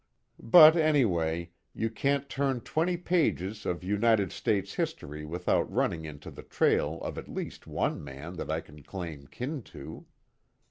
But, anyway, you can't turn twenty pages of United States history without running onto the trail of at least one man that I can claim kin to.